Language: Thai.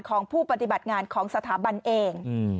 ของผู้ปฏิบัติงานของสถาบันเอง